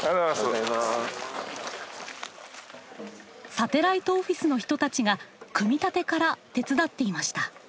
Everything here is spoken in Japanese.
サテライトオフィスの人たちが組み立てから手伝っていました。